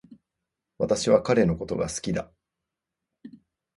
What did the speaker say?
私は彼のことが好きだ